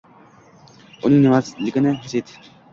uning nimaligini his et